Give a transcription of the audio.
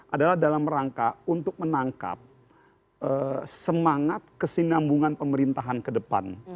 adalah dalam rangka untuk menangkap semangat kesinambungan pemerintahan ke depan